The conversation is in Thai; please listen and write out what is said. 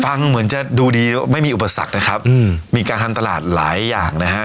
ฟังเหมือนจะดูดีไม่มีอุปสรรคนะครับอืมมีการทำตลาดหลายอย่างนะฮะ